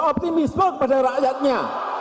optimisme kepada rakyatnya